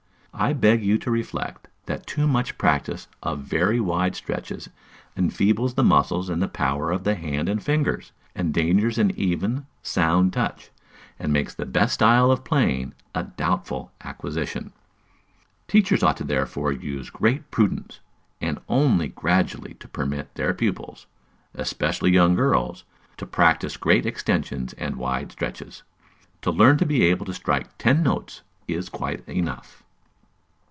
I beg you to reflect that too much practice of very wide stretches enfeebles the muscles and the power of the hand and fingers, endangers an even, sound touch, and makes the best style of playing a doubtful acquisition. Teachers ought therefore to use great prudence, and only gradually to permit their pupils, especially young girls, to practise great extensions and wide stretches. To learn to be able to strike ten notes is quite enough.